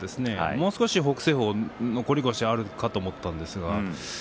もう少し北青鵬に残り腰があるかと思ったんですけどね。